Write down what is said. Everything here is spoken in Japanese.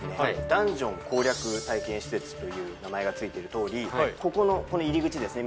ダンジョン攻略体験施設という名前が付いてるとおりここのこの入り口ですね